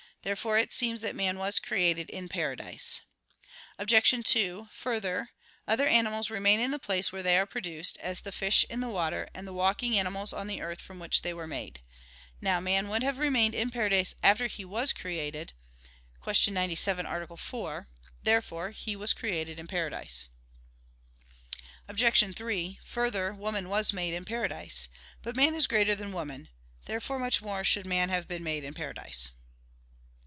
Therefore it seems that man was created in paradise. Obj. 2: Further, other animals remain in the place where they are produced, as the fish in the water, and walking animals on the earth from which they were made. Now man would have remained in paradise after he was created (Q. 97, A. 4). Therefore he was created in paradise. Obj. 3: Further, woman was made in paradise. But man is greater than woman. Therefore much more should man have been made in paradise.